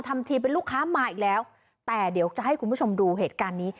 ทำทีเป็นลูกค้ามาอีกแล้วแต่เดี๋ยวจะให้คุณผู้ชมดูเหตุการณ์นี้